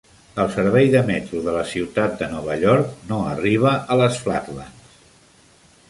El servei de metro de la ciutat de Nova York no arriba a les Flatlands.